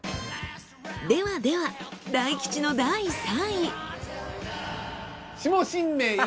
ではでは大吉の第３位。